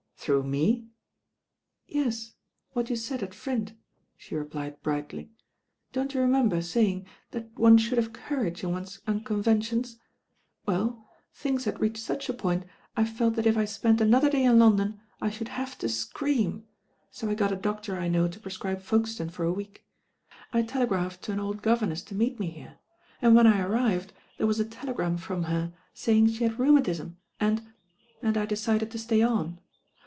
'* •Through me?" u •!!?' "^u^^ y°" ^'^^""^»" »he replied brightly. Don't you remember saying that one should have courage in one's unconventions ? Well thmgi had reached such a point I felt that if I spent another day in London I should have to scream, so 1 got a doctor I know to pre^^ ribe Folkestone for a week. I telegraphed to an old governess to meet me ftere, and when I arrived there was a telegram from her saymg she had rheumatism, and— .ind I decided to stay on.